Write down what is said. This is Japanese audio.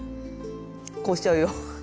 こうしちゃうよ。